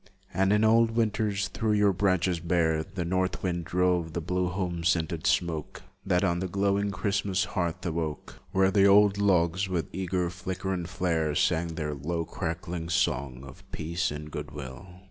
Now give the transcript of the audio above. And in old winters, through your branches bare, The north wind drove the blue home scented smoke That on the glowing Christmas hearth awoke Where the old logs, with eager flicker and flare, Sang their low crackling song Of peace and of good will.